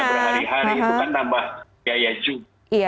berhari hari itu kan nambah biaya juga